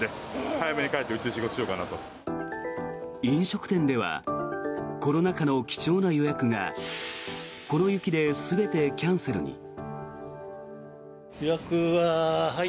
飲食店ではコロナ禍の貴重な予約がこの雪で全てキャンセルに。